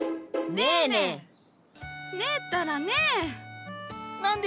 ねえねえねえねえ。